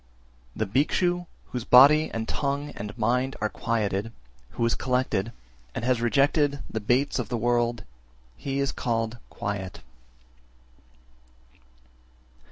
378. The Bhikshu whose body and tongue and mind are quieted, who is collected, and has rejected the baits of the world, he is called quiet.